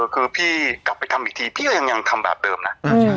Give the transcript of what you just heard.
คือพี่กลับไปทำอีกทีพี่ก็ยังทำแบบเดิมนะ